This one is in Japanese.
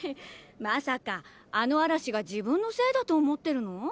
まさかあのあらしが自分のせいだと思ってるの？